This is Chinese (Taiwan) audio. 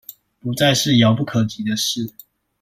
不再是遙不可及的事